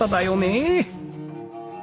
え